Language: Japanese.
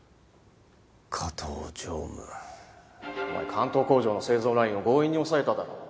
関東工場の製造ラインを強引に押さえただろ。